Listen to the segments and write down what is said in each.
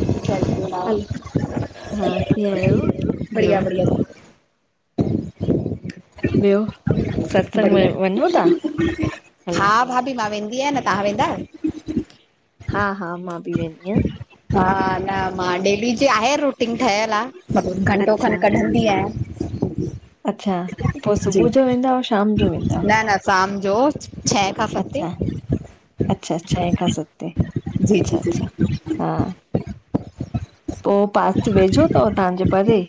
अचझ [unintelligible] हलो, हा कीअं आहियो? बढ़िया बढ़िया बियो? हलो हा भाभी, मां वेंदी आहियां न तव्हां वेंदा आयो? हा- हा, मां बि वेंदी आहियां। हा, न मां डेली जे आहे रुटीन ठहियलु आ मतलब घंटो खण अच्छा कढनि दी या [unintelligible] अच्छा! पो सुबुह जो वेंदाव शाम जो वेंदाव? न न शाम जो छं अच्छा, अच्छा- अच्छा, छहे खां सत्तें अच्छा- अच्छा। हम्म [unintelligible] पो पास वेझो थव, तहांजे परे?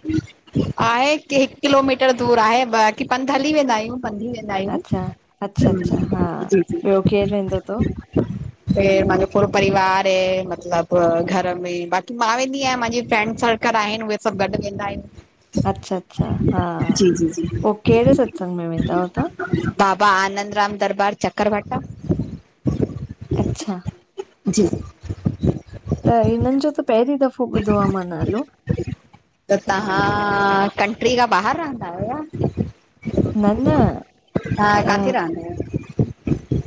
आहे हिकु किलोमीटर दूर आहे बाकी पंध हली वेंदा आहियूं, पंध ही वेंदा आहियूं। अच्छा रहिंदा अच्छा अच्छा आह्यो हा हम्म जी ॿियो केरु वेंदो अथव? जी [unintelligible] ऐ मांजो पूरो परिवार ए मतलब घर में बाक़ी मा रहिंदी आहियां मांजे फ्रैेंड सर्कल आहिन, उहे सब गॾु वेंदा आह्युं। अच्छा अच्छा हा, जी पो केड़े सत्संग में वेंदा आयो तां? बाबा आनंद राम दरबार, चकरभाटा। अच्छा! जी। त हिनन जो त पहिरीं दफ़ो ॿुधो आ मां नालो! त तहां कंट्री खां बाहिर रहंदा आयो या? न न हा, अ काथे रहंदा आह्यो?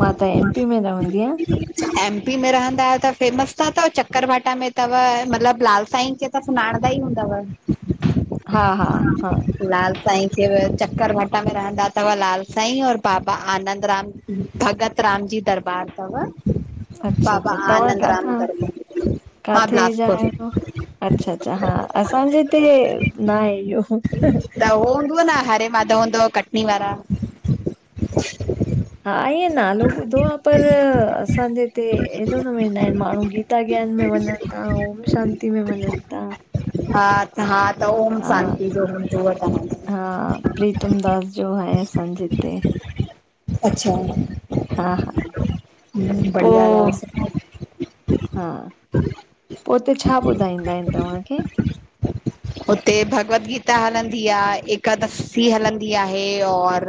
मां त एम पी में रवंदी आंयां। एमपी में रहंदा आयो त फेमस त थव चक्कर भाटा में थव मतलब लाल साईं खे त सुञाणंदा ई हूंदव। हा हा हा- लाल साईं खे चक्कर भाट में रहंदा तव लाल साईं और बाबा आनंद राम भॻत राम जी दरबार तव अच्छा बाबा अच्छा तव्हां आनंद राम काथां दरबार, मां काथे जा बिलासपुर। आहियो? अच्छा- अच्छा हा, असांजे हिते न आहे इहो। हो हूंदुअ न हरे माधव हुन्दव कटनी वारा। हा ईअ नालो ॿुधो आ पर असांजे हिते एॾो न वेंदा आहिन माण्हू, कींअ गीता ज्ञान मे वंञन ता, ओम शांति में वंञन ता। हा- हा त ओम शांति जो हूंदव तहां जो। हा, प्रीतम दास जो आहे असांजे हिते। अच्छा! हा हा पो हा, पो उते छा ॿुधाईंदा आहिन तव्हांखे? उते भगवत गीता हलंदी आ, एकादशी हलंदी आहे और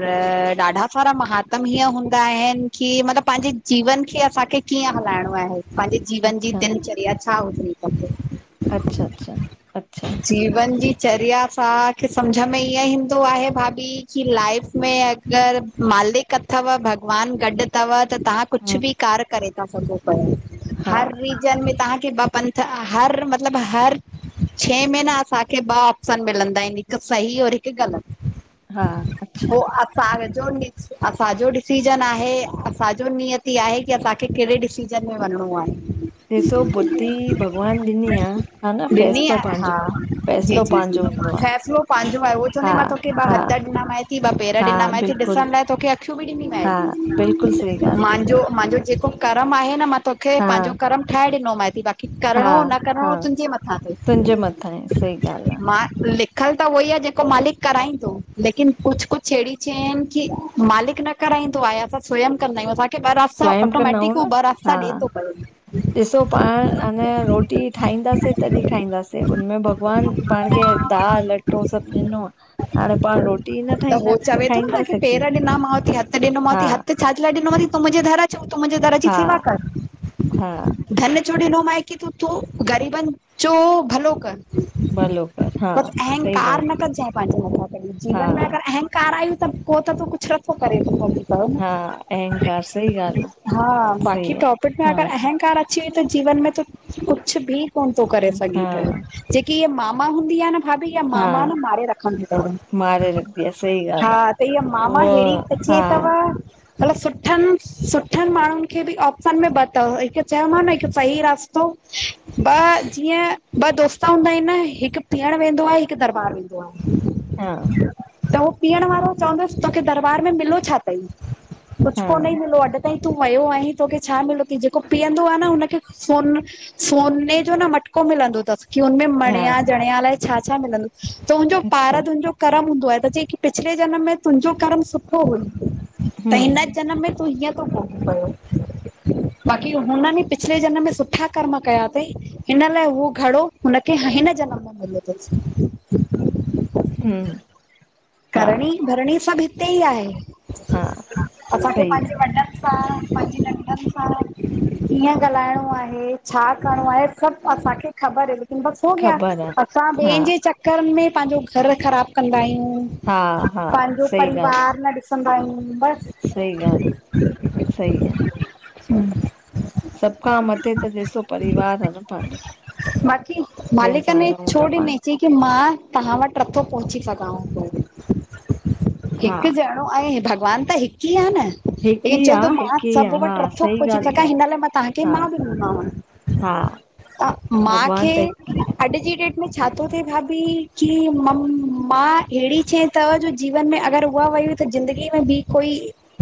ॾाढा सारा महात्म हीअं हूंदा आहिन कि मतलब पंहिंजे जीवन खे असांखे कीअं हलाइणो आहे। पंहिंजे जीवन जी अच्छा दिनचर्या छा हुजण खपे? अच्छा, अच्छा, अच्छा। जीवन जी चर्या असांखे सम्झ में ईअं ईंदो आहे भाभी की लाइफ में अगरि मालिक अथव भॻवानु गॾु तव त तां कुछु हम्म बि कार्य करे ता सघो पया, हा हर रीज़िन में तव्हांखे ॿ पंथ त हर मतिलब हर छें महिना असांखे ॿ ऑप्शन मिलंदा आहिनि हिकु सही और हिकु हा ग़लति। अच्छा पो अब तां विझो मिक्स असांजो डिसीज़न आहे असांजो नियति आहे की असां कि कहिड़े डिसीजन में वञिणो आहे। ॾिसो बुध्दी भॻवान ॾिनी आ, हा न? ॾिनी फैसलो आहे पंहिंजो हा जी फैसलो जी जी पंहिंजो हूंदो आ। फ़ैसिलो पंहिंजो आ उहो हा चवंदी मां तोखे ॿ हा हथ ॾिनामांएती ॿ पेर हा ॾिनामांएती बिल्कुलु ॾिसण लाइ तोखे अख अख्यूं बि ॾिनी हा बिल्कुलु सही में, ॻाल्हि मां मांजो जेको कर्म आहे न मां तोखे आ, पंहिंजो कर्म ठाहे ॾिनोमैंती बाक़ी हा हा करिणो न हा करिणो तुंहिंजे मथां तई, तुंहिंजे मथां आहे सही ॻाल्हि आ, मालिक लिखल त उहो ई आ जेको मालिक कराईंदो। लेकिन कुछु कुछु अहिड़ी शयूं आहिनि कि मालिक न कराईंदो आहे असां स्यम कंदा आहियूं असांखे ॿ रास्ता स्वयं कंदाऊं ऑटोमैटिक उहो न ॿ हा रास्ता ॾेए तो पयो ॾिसो पाण अन यां रोटी ठाहींदासीं तॾहिं खाईंदासीं हुनमें भॻवानु पाण खे दाल अटो सभु ॾिनो हाणे पाण रोटी न हो ठाहींदासीं त चवे थो न मांखे खाईंदासीं पेर कीअं? ॾिनामांव हथ ॾिनो मांव हा ती। हथु छाजे लाइ ॾिनो मांव ती? तूं मुंहिंजे दर अचु तूं मुंहिंजे दर जी हा सेवा कर। हा। छो ॾिनों में की तूं थोड़ो ग़रीबनि जो भलो कर। भलो कर हा बस सही अहंकार ॻाल्हि न कजऐं पांजे मथां कॾी, आ जीवन में हा अगर अहंक कार आयू त पो त तूं कुछु नथो करे सघीं। चओ न, हा अहंकार सही ॻाल्हि आ, हा बाक़ी सही आ। टॉपिक में हा, अगर अहंकार अ चे त जीवन में त कुछु बि कोन तो करे सघीं पयो, हा, जेकी हीअ मां मां हूंदी आ न भाभी इहा मां मां न हा मारे रखंदी तव, मारे रखंदी आ सही हा ॻाल्हि आ। त इहा मां मां उहो हेड़ी हा, अचे तव। मतलब सुठनि सुठनि माण्हुनि खे बि ऑप्शन में ॿ तव। हिकु चयोमांव न सही रस्तो ॿ जीअं ॿ दोस्त हूंदा आहिनि न हिकु पीअणु वेंदो आ, हिकु दरॿार वेंदो आ। हा। त उहो पीअण वारो चवंदसि तोखे दरबार में मिलो छा? कुछु हा, कोन ई मिलो, अॼु ताईं तूं वियो आहीं तोखे छा मिलो ती, जेको पीअंदो आ न उन सोन, सोने जो न मटको मिलंदो तसि, कि हुनमें मणिया हा जणिया अलाइ छा छा मिलंदो? तुहिंजो अच्छा पारदुन जो कर्म हूंदो आहे, त जे कि पिछले जनम में तुंहिंजो कर्म सुठो हुयो, त हूं, हिन जनम में तूं हिअं तो भोॻिं पयो, बाक़ी हुननी पिछले जनम में सुठा कर्म कया तईं। हिन लाइ उहो घड़ो हुनखे ह हिन जनम में मिलयो तसि। हम्म। करणी भरणी सभु हिते ई आहे, हा असांखे सही आ, पांजे वॾनि पां पांजी नंढी। सां कीअं ॻाल्हाइणो आहे छा करिणो आहे सभ असांखे ख़बर हु बस हो गया, ख़बर आ। असां हा, ॿियन जे चकरन में पंहिंजो घरु ख़राब कंदा आहियूं। हा, हा पांजो सही ॻाल्हि आ, परीवार न ॾिसंदा आहियूं बस। सही ॻाल्हि, सई आ। [inaudible] सभ खां मथे त ॾिसो परिवार आहे न पांजो। बाकी जंहिं मालिक सां में रहूं छो था डिनी पाण। च की मां तव्हां वट नथो पहुची सघांव पो हा, हिक ॼण अऊ ऐं भॻवान त हिक ई आ न हिक ही ई आ, चवे थो मां हिक ई आ, सभ हा वट नथो सही पहुंची ॻाल्हि सघां तव, हिन लाइ मां तव्हांखे हा, माउ ॾिनी मांव। हा और मां भॻवान खे त हिक ई अॼ जी डेट में छा थो थिए भाभी की म माउ अहिड़ी शय तव्हां जो जीवन में अगर उहा वई हुई, त ज़िंदगी में ॿी कोई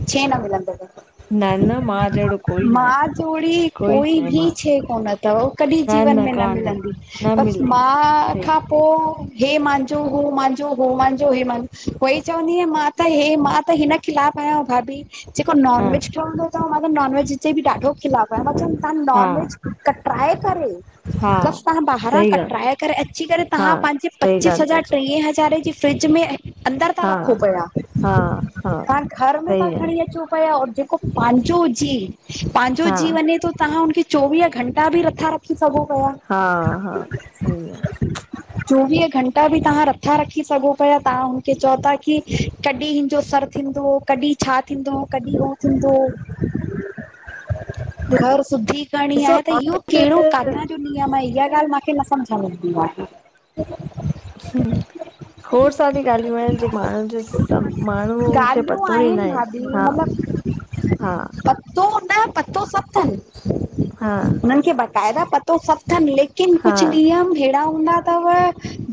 छह न मिलंदव। न न मां जहिड़ो कोई न आहे, माउ जेड़ी न कोई आहे बि मां छह कोने त हो कॾहिं न जीवन में न कान्हे मिलंदी न वस मिलदी माउ सही खां पो हे मांजो हो मांजो हो मान् जो हे मा उहोई चवंदी आहियां मां त हे मां त हिन ख़िलाफ़ आहियां भाभी। जेको हा नॉन वेज ठहंदो थव मां त नॉन वेज जे बि ॾाढो खिलाफ आहियां, मां चयम् तहां हा नॉन वेज कट्राए करे हा बस तव्हां ॿाहिरां सही ॻाल्हि कटराए करे अची करे, हा तव्हां पंहिंजे सही पचीस ॻाल्हि ता हज़ार चओ टीह हज़ारे जी फ्रिज में ऐं अंदर था हा रखो पया, हा हा तव्हां घर में था सही आ खणी अचो पिया और जेको पांजो जी पांजो हा जी वञे थो, तव्हां हुनखे चोवीह घंटा बि नथा रखी सघो पिया हा-हा, सही आ चोवीह घंटा बि तव्हां नथा रख् खी सघो पिया तव्हां हुनखे चओ था की कॾहिं हिनजो सर थींदो कॾहिं छा थींदो कॾहिं हो थींदो? घर शुद्धी करणी ॾिसो आहे त इहो कहिड़ो काथां जो नीयम आ, इहा ॻाल्ह मांखे न सम्झ में ईंदी आ। ह्म खोड़ सारियूं ॻाल्हियूं आहिन जेके माण्हुन जे सभ माण्हुन खे ॻाल्हियूं पतो ई न आहे। [unintelligible] हा पो हुनयो पतो सभ थन हा हुनन खे बक़ाइदा पतो सभ थन लेकि किन हा कुछ नियम हेड़ा हूंदा थव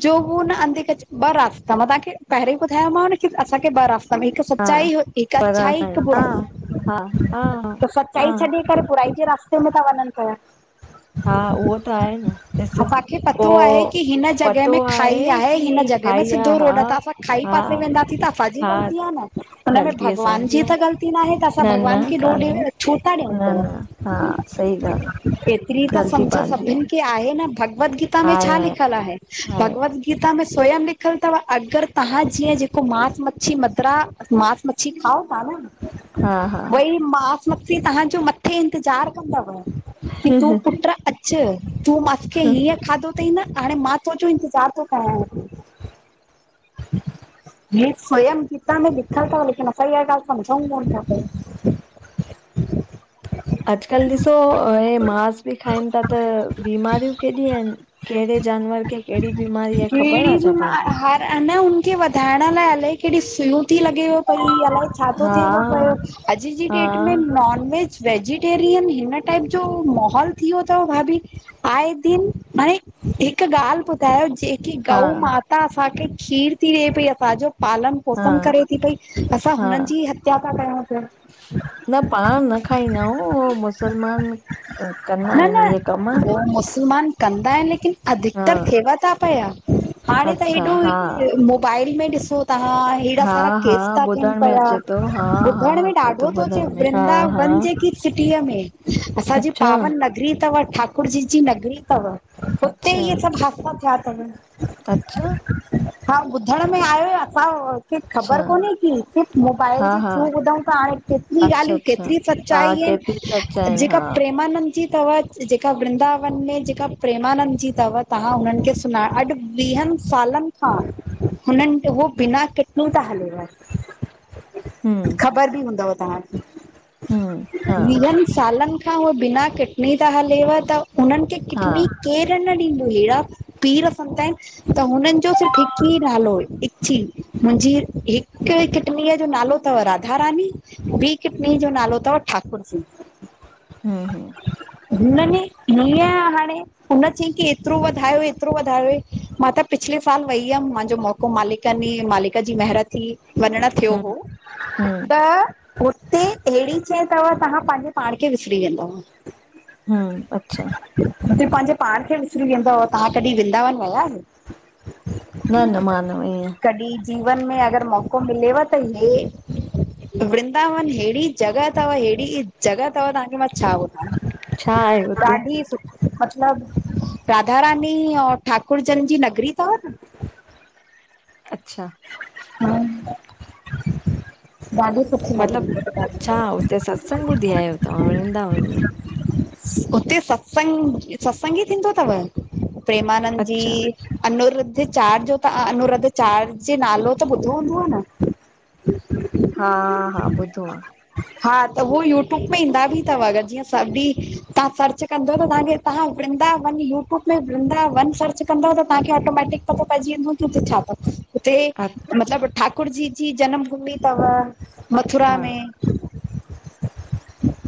जो उ न अंधे क ॿ रास्ता मां तव्हांखे पहिरीं ॿुधाया न कि असांखे ॿ रास्ता पर हिक हा सचाई, हिक पर अच्छाई, असां हिक हा बुराई। हा हा त सचाई हा छॾी करे, बुराई जे रास्ते में था वञन पया। हा उहो त आहे न ॾिस असांखे पो पतो आहे की हिन जॻह पतो में खाई आहे हिन जॻ की जंहिंमें खाई सिधो हा रोड आ त असां खाई हा पासे वेंदासीं त असांजी हा ग़लती आ न हुन में ग़लती भॻवान जी असांजी आ त ग़लती नाहे त असां न न भॻवान खे ॾोह ॾे कान्हे ई छो ता न ॾियूं? न हा सही ॻाल्हि आ एतरी त ग़लती सम्झ पंहिंजी आ सभिन खे कि आहे न, भगवत गीता में छा लिखियल आहे? आहे भगवत गीता में स्वयं लिख लिख्यलु अथव अगरि तव्हां जीअं जेको मांस मच्छी मदिरा मास मच्छी खाओ था न - - हा हा भई मास मछी तव्हांजो मथे इंतज़ारु कंदव। कि तूं पुट अचु तूं मास खे हीअं खाधो - - त ई न हाणे मां तुंहिंजो जो इंतज़ारु थो कयां। [inaudible] ही स्वयं में लिख्यल अथव लेकिन असां इहे ॻाल्हयूं समझऊं कोन था पया। [inaudible] अॼकल्ह ॾिसो हे मांस बि खाइन था त बीमारियूं केॾियूं आहिन। कहिड़े जानवर खे कहिड़ी बीमारी आहे ख़बर कहिड़ी आहे छा बि पाण। मां खे हार अन हुनखे वधाइण लाइ अल्हाए केड़ियूं सुयूं थी लॻेव - - पई अलाए छा थो हा थिए पयो अॼु जी हा डेट में नॉन वेज। वेजिटेरियन हिन टाइप जो माहोल थी वयो तव भाभी। आए दिन हाणे हिक ॻाल्ह ॿु - - त जेकी हा गउ माता असांखे खीर थी ॾे पई असांजो पालन। पोसम हा करे थी पई असां हा हुननि जी हत्या था कयूं पया। ह न खांइदा न हूूं मुसलमान। कंदा न आहिनि इहे कम न उ मुसलमान। कंदा आहिन लेकिन हा अधिकतर थिएव त पया। हाणे त अच्छा हेॾो हा मोबाइल में ॾिसो ता। हेड़ा हा सारा हा केस था थियन ॿुधण में पया अचे थो हा हा ॿुधण में अचे ॾाढो थो अचे ॿुधण में हा हा वृंदावन जेकी। सिटीअ में असांजी अच्छा पावन नगरी तव ठाकुर जी जी नगरी तव। हुते अच्छा ई सभ हासा थया तव। अच्छा। हा ॿुधण में आहियो असां - - अच्छा ख़बर कोन्हे की सिर्फ़ मोबाइल हा जे हा थ्रू ॿुधूं था त हाणे केतिरी अच्छा ॻाल्हियूं के - - अच्छा केतरी हा सचाई आहिन केतिरी सच आहिनि जेका हा प्रेमानंद। ची तव जेका वृंदावन में जेका प्रेमानंद जी तव तव्हां हुनननि खे सुञाण अॼु। वीहन सालन खां हुनन हो बिना किटु था हलेव। हूम - - ह तव्हां खे। हम्म हा सालन खां उहे बिना किटनी त हलेव त उन्हनि खे हा किटनी। केर न ॾिदों हेॾा पीर फंदा। त हुनन जो सिर्फ़ हिकु ई नालो हिची मुहिंजी हिकु किटनीअ जो नालो। अथव राधा रानी ॿी किटनी जो नालो अथव ठाकुर जी। हू हूम। हुननि हीअं हाणे हुन चयईं की एतिरो वधायो एतिरो वधायो। मां त पिछले साल वेई हुयम मांजो मौक़ो मालिक मालिक जी म महिंरत। वञण थयो हम्म हो हम्म त - - ते अहेड़ी शइ तव तव्हां पांहिंजे पाण खे विसरी वेंदव। हू अच्छा। उते पहिंजे पाण खे विसरी वेंदव तव्हां कॾि वृंदावन वया आहियो। न न मां न वई आहियां कॾि। जीवन में अगर मौक़ो मिलेव त हे। वृंदावन हेड़ी जॻह तव हेड़ी जॻह तव तव्हांखे मां छा ॿुध। छा आहे हुते ॾाढी सुठी मतलब राधा रानीऔ। ठाकुरजन जी नगरी तव न। अच्छा [unintelligible] मतलब नगरी छा हुते सत्संग ॿुधी आहियो तव्हां वृंदावन में? उते सत्संग सत्संग ई थींदो तव प्रेमानंद जी अच्छा। अनिरुद्ध चार्ज जो त अनुरुद्ध चार्ज जो नालो त ॿुधो हूंदो न? हा हा ॿुधो आ। हा त उहो यूट्यूब में ईंदा भी तव अगर जीअं सभी तव्हां सर्च कंदव त तव्हांखे तव्हां वृंदावन यूट्यूब में वृंदावन सर्च कंदव त तव्हांखे ऑटोमैटिक पतो पइजी वेंदो की हुते छा तव। हुते हा मतलब ठाकुर जी-जी जनम भूमि तव मथुरा में।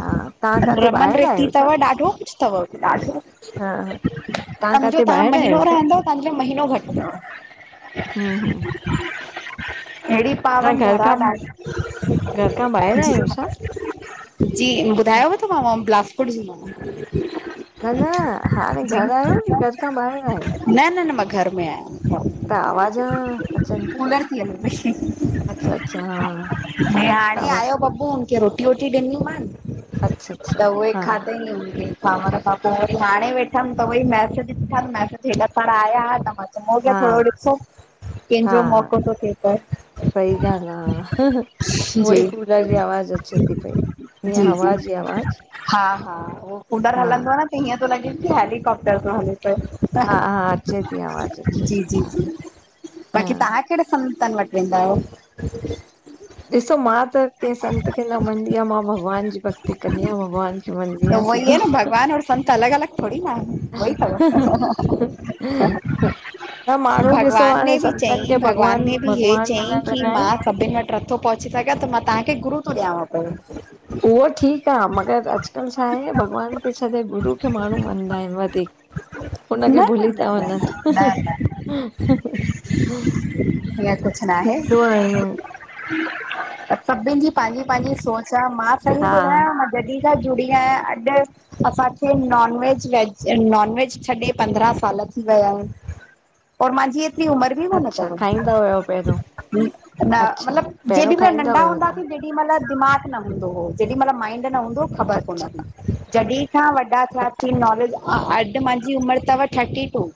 हा तव्हां काथे रमन ॿाहिरि रेती आहियो छा? तव ॾाढो कुछ तव ॾाढो। हा हा समझो काथे तव्हां ॿाहिरि आहियो महीनो छा? रहंदव तव्हांजो महीनो घट तव हम हम हेहड़ी पावन धरा ॾाढी। घर खां ॿाहिरि आहियो छा? जी ॿुधायो तो मांव त मां बिलासपुर जी न न हाणे घर आहियो, की घर खां ॿाहर आयो? न न न मां घर में आहियां। त आवाज अचंती, कूलर थी हले पई अच्छा-अच्छा हा ऐं हाणे आवाज आहियो बब्बु हुन खे रोटी वोटी ॾिनीमान। अच्छा त अच्छा उहे हा हा खाधे ई हूए ख़ावर खां पो, वरी हाणे वेठम त वरी मैसेज ॾिठम मैसेज हेॾा सारा आया हुआ त मा चऊ म हा थोरो ॾिसो कंहिंजो मौको थो थिए पयो। सई ॻाल् आ उई कुूलर जी आवाज़ अचे थी पई। हीअं जी-जी, हवा जी आवाज हा-हा उ कूलर हा हलंदो आ न हीअं थो लॻे की हेलीकॉप्टर थो हले पियो, हा हा अचे थी आवाज़ अचे जी थी जी हा जी हा बाक़ी तव्हां केड़े संतन वट वेंदा आहियो? ॾिसो मां त कंहिं संत खे न मञंदी आहियां मां भॻवान जी भक्ति कंदी आहियां भॻवान वेंधि त आ उहो ई सिधो आहे न भॻवान और संत अलॻ अलॻ थोरी न आहे, उई तव त माण्हू ॾिसो भॻवान हाणे उन्हें बि संतनि खे चई भॻवान न बि हे भॻवान मञण चईं की लॻा आहिनि मां सभिन वट नथो पहुची सघियां त मां तव्हांखे गुरू थो ॾियांव पियो। उहो ठीक आ मगर अॼकल्ह छा हे, भॻवान खे छॾे गुरू खे माण्हू मञदाा आहिनि वधीक। हुनखे न न भुली न था न वञन न न थींदो आ हिं सभिन जी पंहिंजी पंहिंजी सोच आ मां सही हा ॿुधायां जदी खां जुड़ी आया अॼ असांखे non veg veg non veg छॾे पंद्रहं साल थी विया आहिन। और मांजी एतरी उमर बि कोन अच्छा तव, खाईंदा हुयव पहिरियों न अच्छा मतलब पहिरियों जेढ़िमेल खाईंदा नंढा हुयव हूंदा हुआ तव्हां सी जेॾी मल दिमाग़ न हूंदो हो, जेॾीमल माइंड न हूंदो हो, ख़बर कोन अच्छा हूंदी जॾहिं अठां वॾा थिया अच्छा थी नॉलेज अॼ मांजी उमिर थव थर्टी टू।